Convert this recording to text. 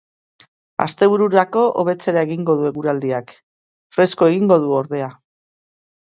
Astebururako, hobetzera egingo du eguraldiak, fresko egingo du, ordea.